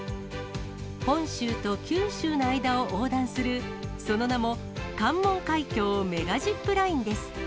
本州と九州の間を横断する、その名も関門海峡メガジップラインです。